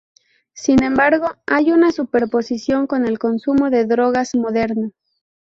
Sin embargo, hay una superposición con el consumo de drogas moderno.